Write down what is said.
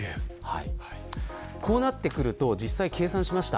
こうなってくると実際、計算しました。